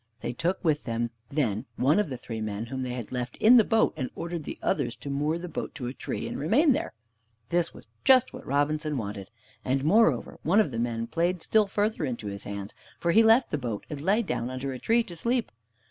They took with them, then, one of the three men whom they had left in the boat, and ordered the others to moor the boat to a tree, and remain there. This was just what Robinson wanted. And, moreover, one of the men played still further into his hands, for he left the boat and lay down under a tree to sleep.